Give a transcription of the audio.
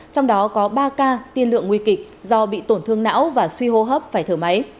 trong đó có ba ca tiên lượng nguy kịch do bị tổn thương não và suy hô hấp phải thở máy